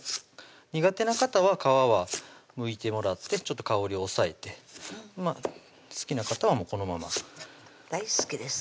苦手な方は皮はむいてもらってちょっと香りを抑えて好きな方はもうこのまま大好きです